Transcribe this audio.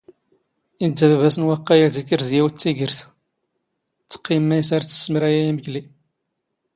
ⵉⴷⴷⴰ ⴱⴰⴱⴰⵙ ⵏ ⵡⴰⵇⵇⴰⵢ ⴰⴷ ⵉⴽⵔⵣ ⵢⵉⵡⵜ ⵜⵉⴳⵔⵜ, ⵜⵇⵇⵉⵎ ⵎⴰⵢⵙ ⴰⵔ ⵜⵙⵙⵎⵔⴰ ⵉ ⵉⵎⴽⵍⵉ.